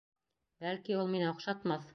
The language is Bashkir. Бәлки, ул мине оҡшатмаҫ.